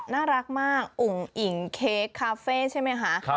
น่ารักมากอุ่งอิ่งเค้กคาเฟ่ใช่ไหมคะ